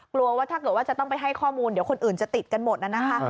กลัวว่าถ้าเกิดว่าจะต้องไปให้ข้อมูลเดี๋ยวคนอื่นจะติดกันหมดน่ะนะคะ